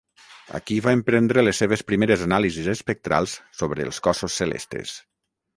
Aquí va emprendre les seves primeres anàlisis espectrals sobre els cossos celestes.